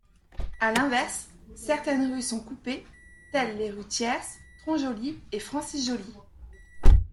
A l'inverse, certaines rues sont coupées, telles les rues Thiers, Tronjolly et Francis Joly.